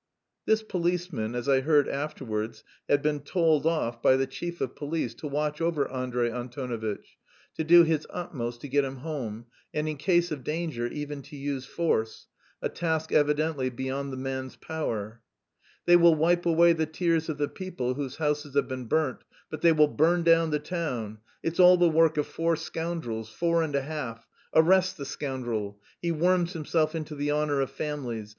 This policeman, as I heard afterwards, had been told off by the chief of police to watch over Andrey Antonovitch, to do his utmost to get him home, and in case of danger even to use force a task evidently beyond the man's power. "They will wipe away the tears of the people whose houses have been burnt, but they will burn down the town. It's all the work of four scoundrels, four and a half! Arrest the scoundrel! He worms himself into the honour of families.